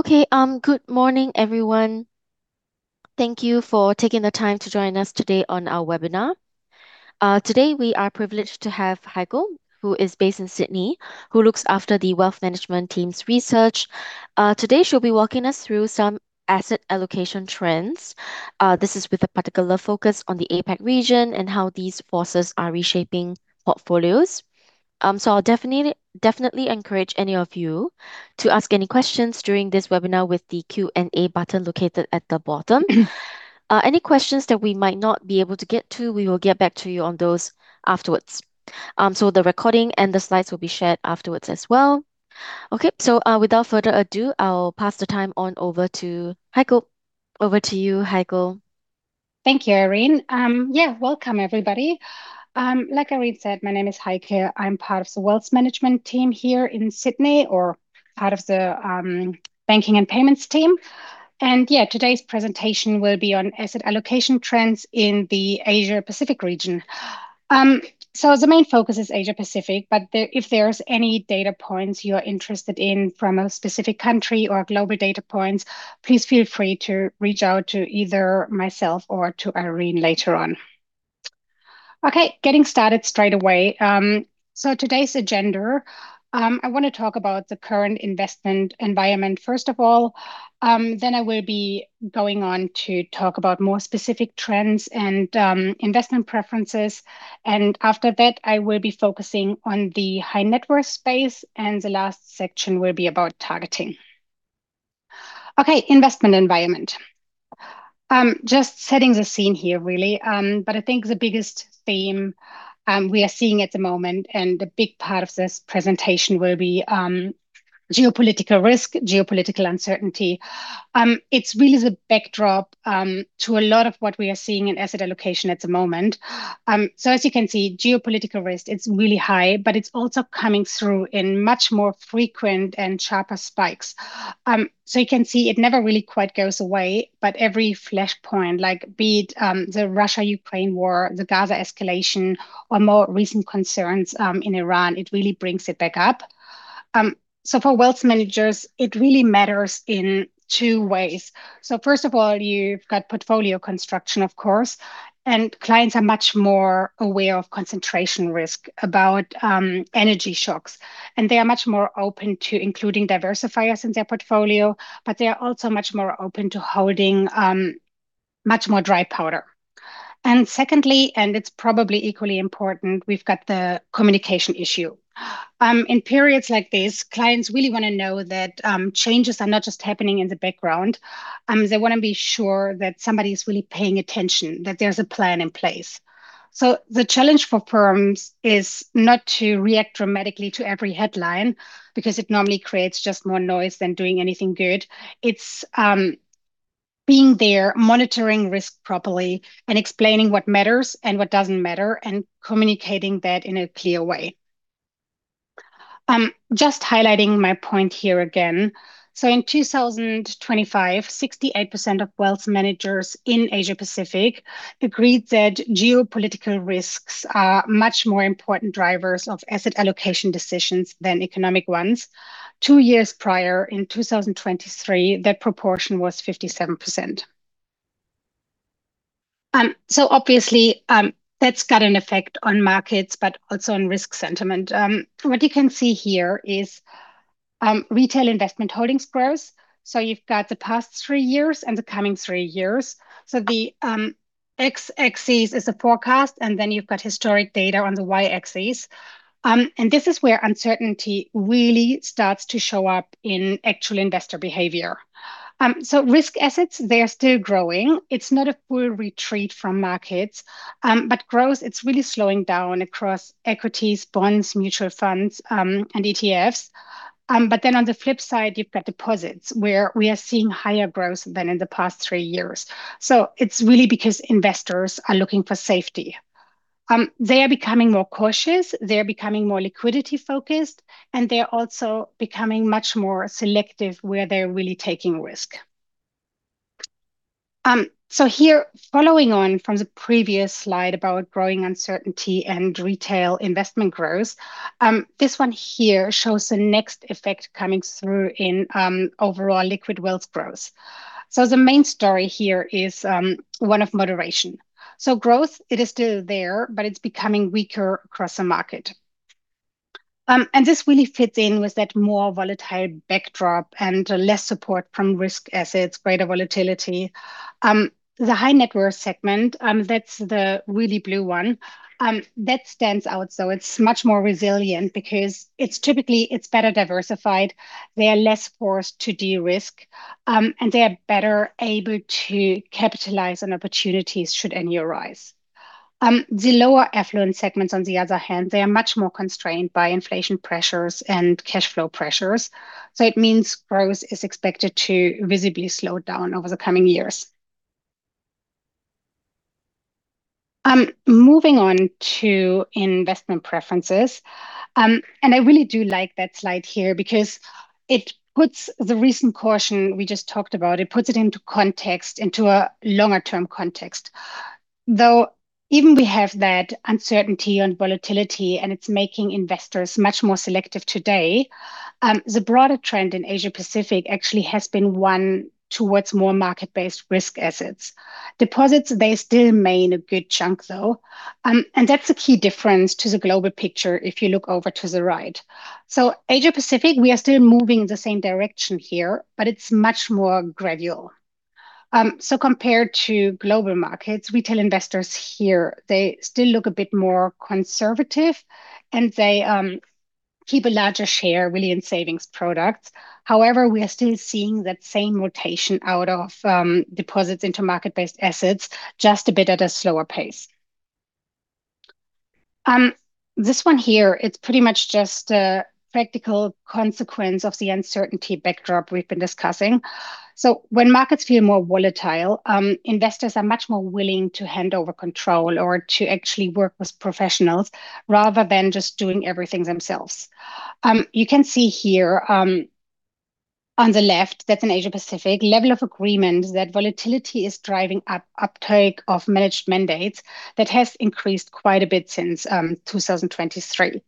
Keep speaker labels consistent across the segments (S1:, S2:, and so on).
S1: Okay, good morning, everyone. Thank you for taking the time to join us today on our webinar. Today we are privileged to have Heike, who is based in Sydney, who looks after the wealth management team's research. Today she'll be walking us through some asset allocation trends. This is with a particular focus on the APAC region and how these forces are reshaping portfolios. I'll definitely encourage any of you to ask any questions during this webinar with the Q&A button located at the bottom. Any questions that we might not be able to get to, we will get back to you on those afterwards. The recording and the slides will be shared afterwards as well. Without further ado, I'll pass the time on over to Heike. Over to you, Heike.
S2: Thank you, Irene. Yeah, welcome everybody. Like Irene said, my name is Heike. I'm part of the wealth management team here in Sydney or out of the banking and payments team. Yeah, today's presentation will be on asset allocation trends in the Asia Pacific region. The main focus is Asia Pacific, if there's any data points you are interested in from a specific country or global data points, please feel free to reach out to either myself or to Irene later on. Okay, getting started straight away. Today's agenda, I wanna talk about the current investment environment first of all. I will be going on to talk about more specific trends and investment preferences, after that, I will be focusing on the high-net-worth space, the last section will be about targeting. Okay, investment environment. Just setting the scene here really, I think the biggest theme we are seeing at the moment and a big part of this presentation will be geopolitical risk, geopolitical uncertainty. It's really the backdrop to a lot of what we are seeing in asset allocation at the moment. As you can see, geopolitical risk, it's really high, but it's also coming through in much more frequent and sharper spikes. You can see it never really quite goes away, but every flashpoint, like be it, the Russia-Ukraine War, the Gaza escalation, or more recent concerns in Iran, it really brings it back up. For wealth managers, it really matters in two ways. First of all, you've got portfolio construction, of course, and clients are much more aware of concentration risk about energy shocks, and they are much more open to including diversifiers in their portfolio, but they are also much more open to holding much more dry powder. Secondly, and it's probably equally important, we've got the communication issue. In periods like this, clients really wanna know that changes are not just happening in the background. They wanna be sure that somebody's really paying attention, that there's a plan in place. The challenge for firms is not to react dramatically to every headline because it normally creates just more noise than doing anything good. It's being there, monitoring risk properly and explaining what matters and what doesn't matter and communicating that in a clear way. Just highlighting my point here again. In 2025, 68% of wealth managers in Asia Pacific agreed that geopolitical risks are much more important drivers of asset allocation decisions than economic ones. Two years prior, in 2023, that proportion was 57%. Obviously, that's got an effect on markets, but also on risk sentiment. What you can see here is retail investment holdings growth. You've got the past three years and the coming three years. The x-axis is a forecast, and then you've got historic data on the y-axis. This is where uncertainty really starts to show up in actual investor behavior. Risk assets, they are still growing. It's not a full retreat from markets. But growth, it's really slowing down across equities, bonds, mutual funds, and ETFs. On the flip side, you've got deposits, where we are seeing higher growth than in the past three years. It's really because investors are looking for safety. They are becoming more cautious, they are becoming more liquidity focused, and they are also becoming much more selective where they're really taking risk. Here, following on from the previous slide about growing uncertainty and retail investment growth, this one here shows the next effect coming through in overall liquid wealth growth. The main story here is one of moderation. Growth, it is still there, but it's becoming weaker across the market. This really fits in with that more volatile backdrop and less support from risk assets, greater volatility. The high-net-worth segment, that's the really blue one, that stands out, it's much more resilient because it's typically better diversified. They are less forced to de-risk, they are better able to capitalize on opportunities should any arise. The lower affluent segments, on the other hand, they are much more constrained by inflation pressures and cash flow pressures, it means growth is expected to visibly slow down over the coming years. Moving on to investment preferences, I really do like that slide here because it puts the recent caution we just talked about, it puts it into context, into a longer-term context. Though even we have that uncertainty and volatility, and it's making investors much more selective today, the broader trend in Asia Pacific actually has been one towards more market-based risk assets. Deposits, they still remain a good chunk, though. That's a key difference to the global picture if you look over to the right. Asia Pacific, we are still moving in the same direction here, but it's much more gradual. Compared to global markets, retail investors here, they still look a bit more conservative, and they keep a larger share really in savings products. However, we are still seeing that same rotation out of deposits into market-based assets, just a bit at a slower pace. This one here, it's pretty much just a practical consequence of the uncertainty backdrop we've been discussing. When markets feel more volatile, investors are much more willing to hand over control or to actually work with professionals rather than just doing everything themselves. You can see here, on the left, that's in Asia Pacific, level of agreement that volatility is driving uptake of managed mandates. That has increased quite a bit since 2023.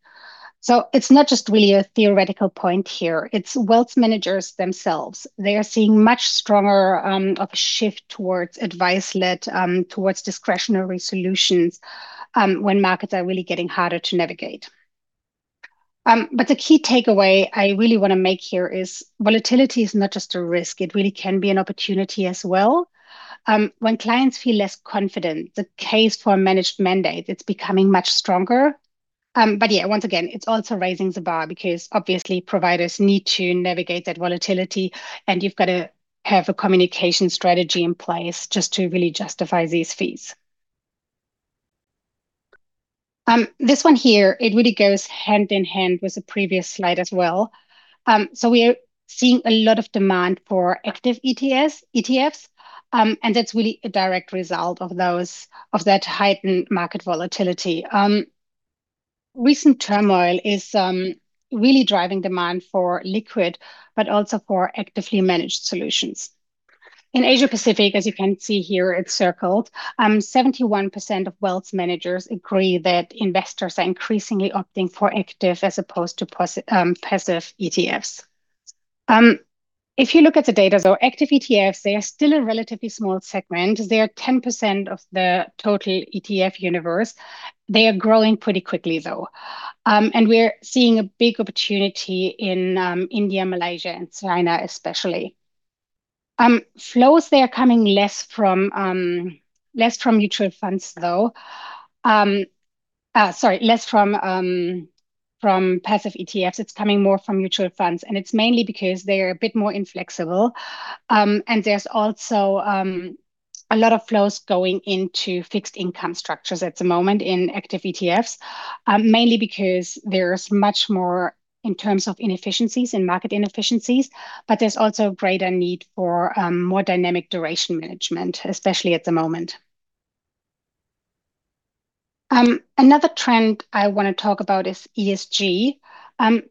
S2: It's not just really a theoretical point here. It's wealth managers themselves. They are seeing much stronger of a shift towards advice-led, towards discretionary solutions, when markets are really getting harder to navigate. The key takeaway I really wanna make here is volatility is not just a risk. It really can be an opportunity as well. When clients feel less confident, the case for a managed mandate, it's becoming much stronger. Yeah, once again, it's also raising the bar because obviously providers need to navigate that volatility, and you've got to have a communication strategy in place just to really justify these fees. This one here, it really goes hand in hand with the previous slide as well. We are seeing a lot of demand for active ETFs, and that's really a direct result of that heightened market volatility. Recent turmoil is really driving demand for liquid, but also for actively managed solutions. In Asia Pacific, as you can see here, it's circled. 71% of wealth managers agree that investors are increasingly opting for active as opposed to passive ETFs. If you look at the data, active ETFs, they are still a relatively small segment. They are 10% of the total ETF universe. They are growing pretty quickly, though. We're seeing a big opportunity in India, Malaysia, and China especially. Flows there are coming less from less from mutual funds, though. Sorry, less from passive ETFs. It's coming more from mutual funds, and it's mainly because they're a bit more inflexible. There's also a lot of flows going into fixed income structures at the moment in active ETFs, mainly because there's much more in terms of inefficiencies and market inefficiencies, but there's also greater need for more dynamic duration management, especially at the moment. Another trend I wanna talk about is ESG.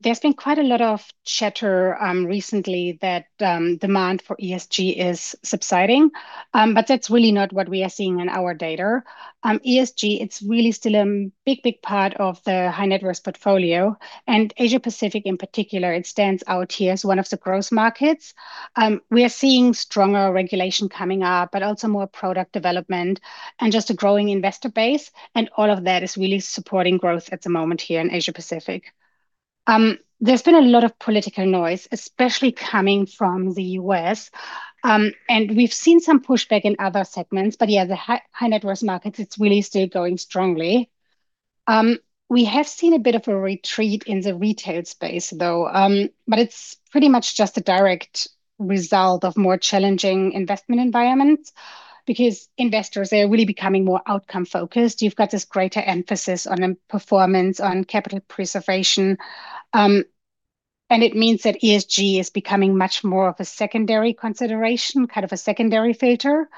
S2: There's been quite a lot of chatter recently that demand for ESG is subsiding. That's really not what we are seeing in our data. ESG, it's really still a big, big part of the high-net-worth portfolio, and Asia Pacific in particular, it stands out here as one of the growth markets. We are seeing stronger regulation coming up, but also more product development and just a growing investor base, all of that is really supporting growth at the moment here in Asia Pacific. There's been a lot of political noise, especially coming from the U.S., we've seen some pushback in other segments, the high net worth markets, it's really still going strongly. We have seen a bit of a retreat in the retail space though, it's pretty much just a direct result of more challenging investment environments because investors, they are really becoming more outcome focused. You've got this greater emphasis on performance, on capital preservation, it means that ESG is becoming much more of a secondary consideration, kind of a secondary filter.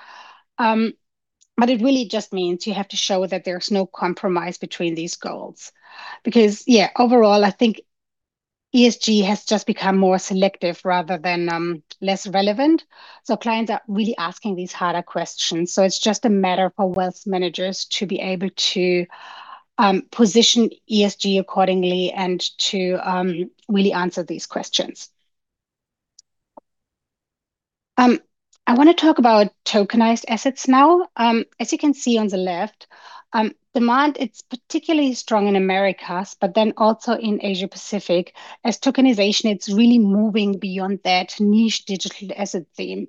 S2: It really just means you have to show that there's no compromise between these goals. Yeah, overall, I think ESG has just become more selective rather than less relevant. Clients are really asking these harder questions, so it's just a matter for wealth managers to be able to position ESG accordingly and to really answer these questions. I wanna talk about tokenized assets now. As you can see on the left, demand, it's particularly strong in Americas, also in Asia Pacific, as tokenization, it's really moving beyond that niche digital asset theme.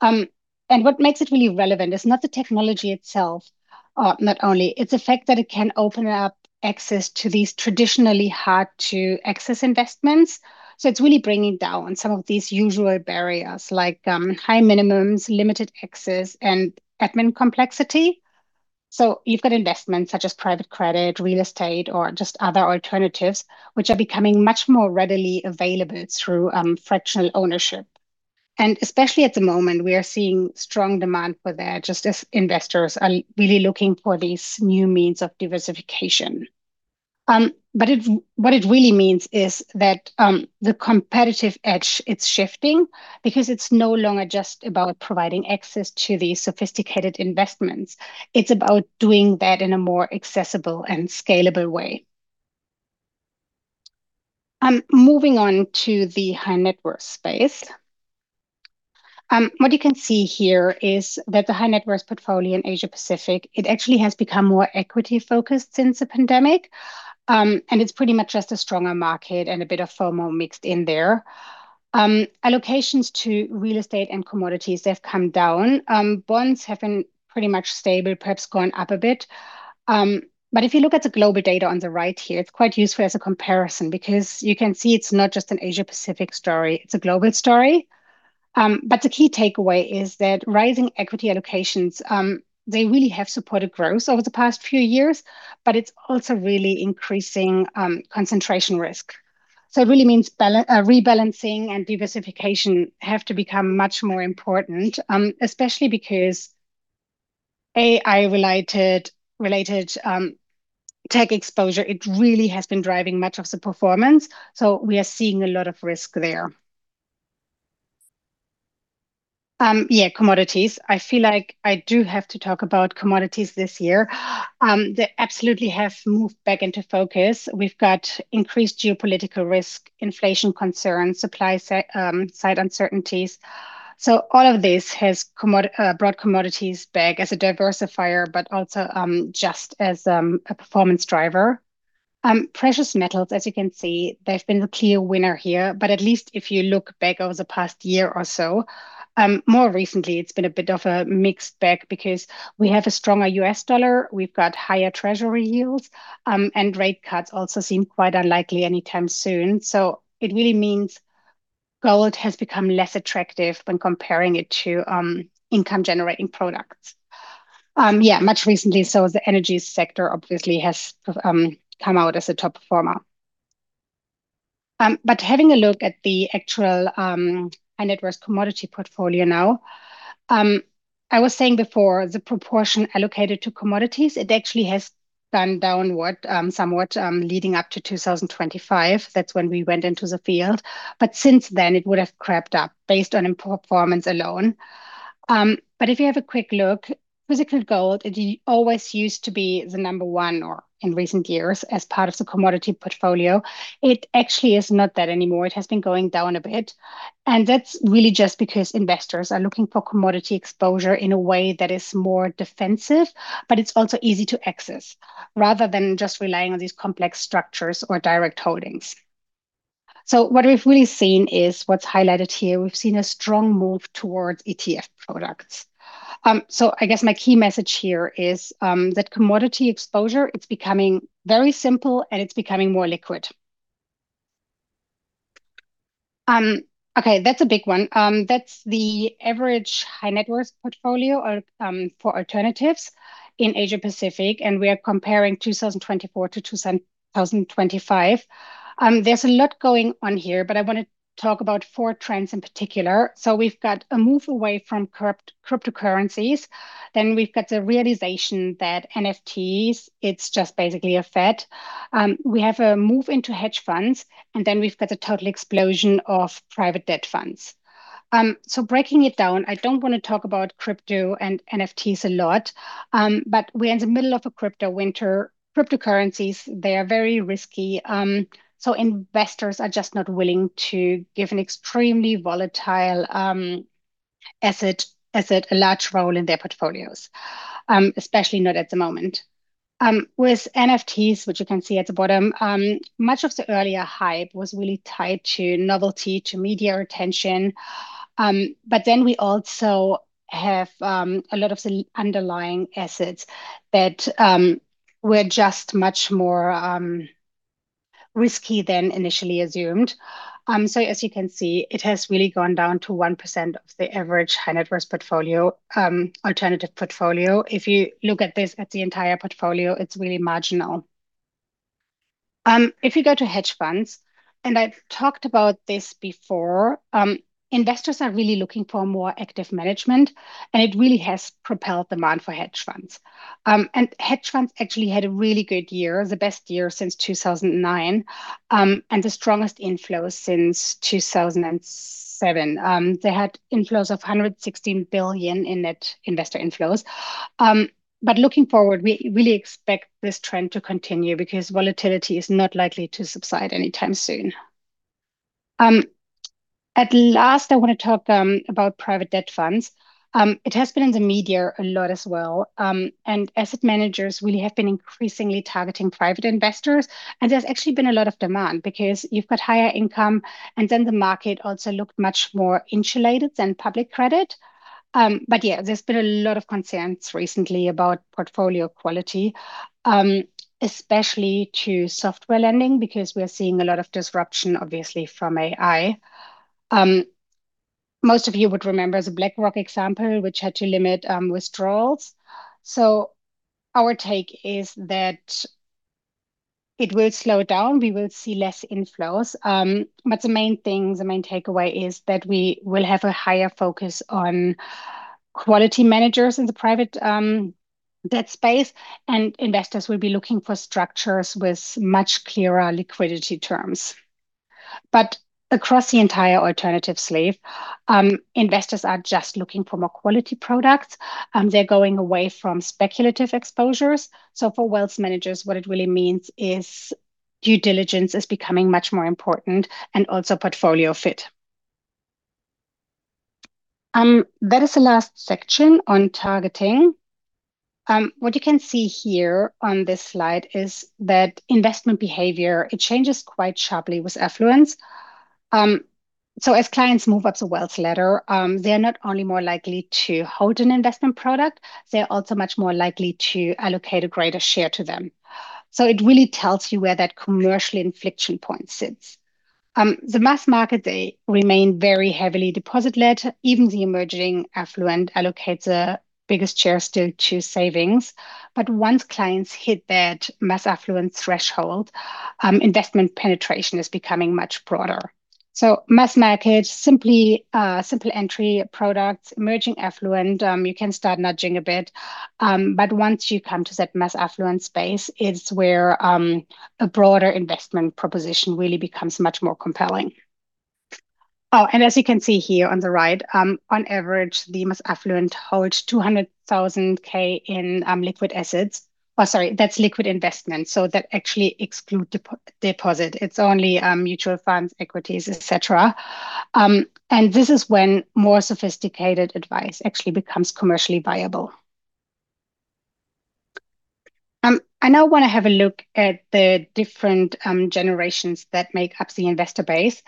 S2: What makes it really relevant is not the technology itself, not only. It's the fact that it can open up access to these traditionally hard-to-access investments. It's really bringing down some of these usual barriers like high minimums, limited access, and admin complexity. You've got investments such as private credit, real estate, or just other alternatives, which are becoming much more readily available through fractional ownership. Especially at the moment, we are seeing strong demand for that just as investors are really looking for these new means of diversification. What it really means is that the competitive edge, it's shifting because it's no longer just about providing access to these sophisticated investments. It's about doing that in a more accessible and scalable way. Moving on to the high-net-worth space. What you can see here is that the high-net-worth portfolio in Asia Pacific, it actually has become more equity focused since the pandemic, and it's pretty much just a stronger market and a bit of FOMO mixed in there. Allocations to real estate and commodities, they've come down. Bonds have been pretty much stable, perhaps gone up a bit. If you look at the GlobalData on the right here, it's quite useful as a comparison because you can see it's not just an Asia Pacific story, it's a global story. The key takeaway is that rising equity allocations, they really have supported growth over the past few years, but it's also really increasing concentration risk. It really means rebalancing and diversification have to become much more important, especially because AI related tech exposure, it really has been driving much of the performance, we are seeing a lot of risk there. Yeah, commodities. I feel like I do have to talk about commodities this year. They absolutely have moved back into focus. We've got increased geopolitical risk, inflation concerns, supply side uncertainties. All of this has brought commodities back as a diversifier, but also, just as, a performance driver. Precious metals, as you can see, they've been the clear winner here, but at least if you look back over the past year or so, more recently it's been a bit of a mixed bag because we have a stronger U.S. dollar, we've got higher treasury yields, and rate cuts also seem quite unlikely anytime soon. It really means gold has become less attractive when comparing it to income generating products. Much recently, so has the energy sector obviously come out as a top performer. Having a look at the actual high net worth commodity portfolio now, I was saying before, the proportion allocated to commodities, it actually has gone downward somewhat leading up to 2025. That's when we went into the field. Since then, it would have crept up based on performance alone. If you have a quick look, physical gold, it always used to be the number one, or in recent years, as part of the commodity portfolio. It actually is not that anymore. It has been going down a bit, that's really just because investors are looking for commodity exposure in a way that is more defensive, but it's also easy to access, rather than just relying on these complex structures or direct holdings. What we've really seen is what's highlighted here. We've seen a strong move towards ETF products. I guess my key message here is that commodity exposure, it's becoming very simple and it's becoming more liquid. Okay, that's a big one. That's the average high net worth portfolio or for alternatives in Asia Pacific, we are comparing 2024-2025. There's a lot going on here, but I wanna talk about four trends in particular. We've got a move away from cryptocurrencies, we've got the realization that NFTs, it's just basically a fad. We have a move into hedge funds, we've got a total explosion of private debt funds. Breaking it down, I don't wanna talk about crypto and NFTs a lot, we're in the middle of a crypto winter. Cryptocurrencies, they are very risky. Investors are just not willing to give an extremely volatile asset a large role in their portfolios, especially not at the moment. With NFTs, which you can see at the bottom, much of the earlier hype was really tied to novelty, to media attention. We also have a lot of the underlying assets that were just much more risky than initially assumed. As you can see, it has really gone down to 1% of the average high net worth portfolio, alternative portfolio. If you look at this at the entire portfolio, it's really marginal. If you go to hedge funds, I've talked about this before, investors are really looking for more active management, and it really has propelled demand for hedge funds. Hedge funds actually had a really good year, the best year since 2009, and the strongest inflows since 2007. They had inflows of 116 billion in net investor inflows. Looking forward, we really expect this trend to continue because volatility is not likely to subside anytime soon. At last, I wanna talk about private debt funds. It has been in the media a lot as well. Asset managers really have been increasingly targeting private investors, and there's actually been a lot of demand because you've got higher income, and then the market also looked much more insulated than public credit. Yeah, there's been a lot of concerns recently about portfolio quality, especially to software lending because we are seeing a lot of disruption, obviously, from AI. Most of you would remember the BlackRock example which had to limit withdrawals. Our take is that it will slow down. We will see less inflows. The main thing, the main takeaway is that we will have a higher focus on quality managers in the private debt space, and investors will be looking for structures with much clearer liquidity terms. Across the entire alternative sleeve, investors are just looking for more quality products. They're going away from speculative exposures. For wealth managers, what it really means is due diligence is becoming much more important and also portfolio fit. That is the last section on targeting. What you can see here on this slide is that investment behavior, it changes quite sharply with affluence. As clients move up the wealth ladder, they're not only more likely to hold an investment product, they're also much more likely to allocate a greater share to them. It really tells you where that commercial inflection point sits. The mass market, they remain very heavily deposit-led. Even the emerging affluent allocates a biggest share still to savings. Once clients hit that mass affluent threshold, investment penetration is becoming much broader. Mass market simply, simple entry products. Emerging affluent, you can start nudging a bit. Once you come to that mass affluent space is where a broader investment proposition really becomes much more compelling. As you can see here on the right, on average, the mass affluent hold 200,000 in liquid assets. Sorry, that's liquid investments, that actually exclude deposit. It's only mutual funds, equities, et cetera. This is when more sophisticated advice actually becomes commercially viable. I now wanna have a look at the different generations that make up the investor base.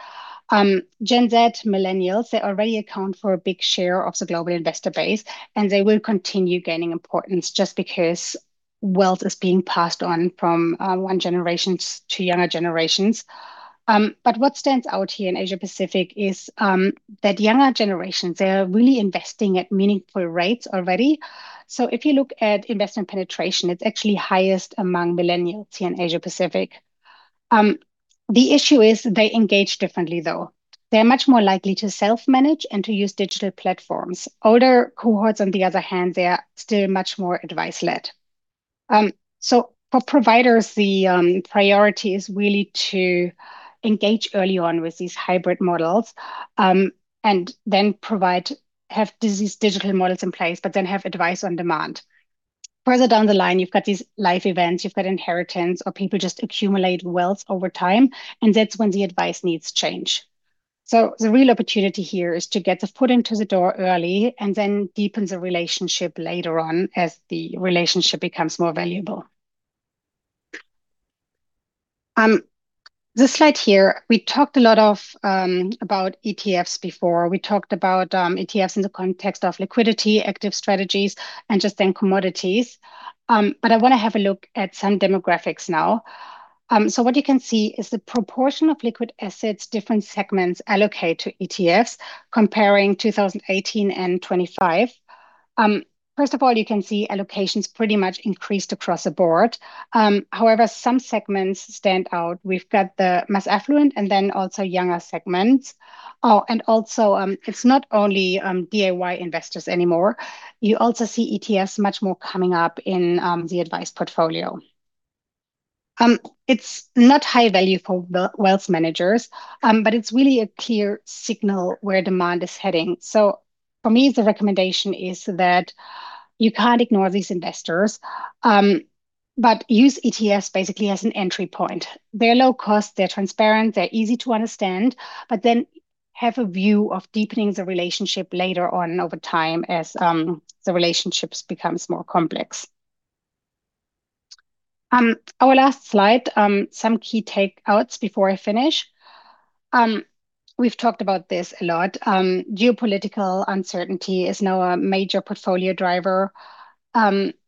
S2: Gen Z, millennials, they already account for a big share of the global investor base and they will continue gaining importance just because wealth is being passed on from one generations to younger generations. What stands out here in Asia Pacific is that younger generations, they are really investing at meaningful rates already. If you look at investment penetration, it's actually highest among millennials here in Asia Pacific. The issue is they engage differently though. They're much more likely to self-manage and to use digital platforms. Older cohorts, on the other hand, they are still much more advice-led. For providers, the priority is really to engage early on with these hybrid models and then have these digital models in place, but then have advice on demand. Further down the line, you've got these life events, you've got inheritance or people just accumulate wealth over time, and that's when the advice needs change. The real opportunity here is to get the foot into the door early and then deepen the relationship later on as the relationship becomes more valuable. This slide here, we talked a lot of about ETFs before. We talked about ETFs in the context of liquidity, active strategies, and just then commodities. I wanna have a look at some demographics now. What you can see is the proportion of liquid assets different segments allocate to ETFs comparing 2018 and 2025. First of all, you can see allocations pretty much increased across the board. However, some segments stand out. We've got the mass affluent and then also younger segments. It's not only DIY investors anymore. You also see ETFs much more coming up in the advised portfolio. It's not high value for wealth managers, it's really a clear signal where demand is heading. The recommendation is that you can't ignore these investors, use ETFs basically as an entry point. They're low cost, they're transparent, they're easy to understand, have a view of deepening the relationship later on overtime as the relationships becomes more complex. Our last slide, some key takeouts before I finish. We've talked about this a lot. Geopolitical uncertainty is now a major portfolio driver,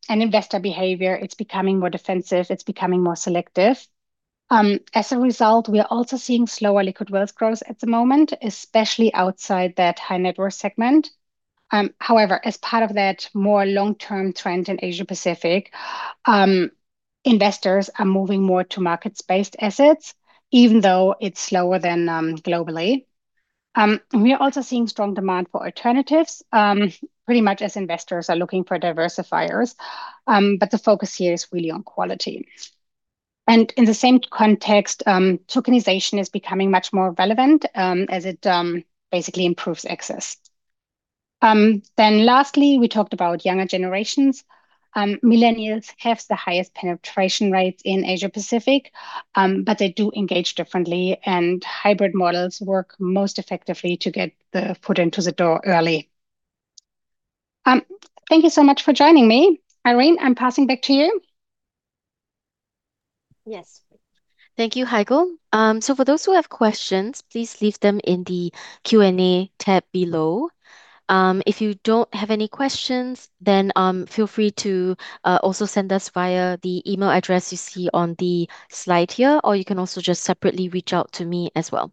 S2: investor behavior, it's becoming more defensive, it's becoming more selective. As a result, we are also seeing slower liquid wealth growth at the moment, especially outside that high-net-worth segment. However, as part of that more long-term trend in Asia-Pacific, investors are moving more to markets-based assets, even though it's slower than globally. We are also seeing strong demand for alternatives, pretty much as investors are looking for diversifiers, but the focus here is really on quality. In the same context, tokenization is becoming much more relevant, as it basically improves access. Lastly, we talked about younger generations. Millennials have the highest penetration rates in Asia-Pacific, but they do engage differently and hybrid models work most effectively to get the foot into the door early. Thank you so much for joining me. Irene, I'm passing back to you.
S1: Yes. Thank you, Heike. For those who have questions, please leave them in the Q&A tab below. If you don't have any questions, feel free to also send us via the email address you see on the slide here, or you can also just separately reach out to me as well.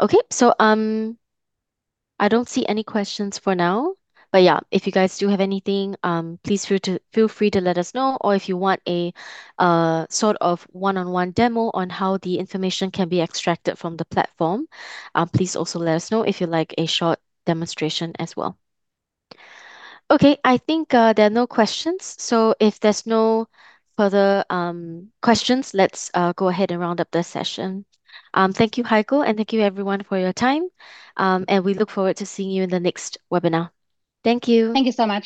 S1: Okay. I don't see any questions for now, but yeah, if you guys do have anything, please feel free to let us know, or if you want a sort of one-on-one demo on how the information can be extracted from the platform, please also let us know if you'd like a short demonstration as well. Okay. I think there are no questions. If there's no further questions, let's go ahead and round up the session. Thank you, Heike, and thank you everyone for your time. We look forward to seeing you in the next webinar. Thank you.
S2: Thank you so much.